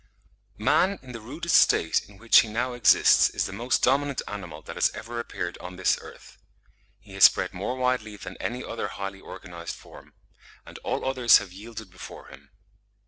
Man in the rudest state in which he now exists is the most dominant animal that has ever appeared on this earth. He has spread more widely than any other highly organised form: and all others have yielded before him.